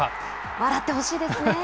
笑ってほしいですね。